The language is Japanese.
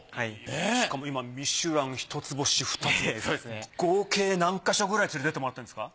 しかもミシュラン１つ星２つ星合計何か所くらい連れていってもらってるんですか？